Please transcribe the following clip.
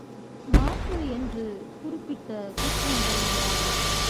மாசு என்று குறிப்பிட்ட குற்றங்கள் யாவை?